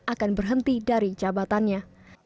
akan berhenti dari jabatannya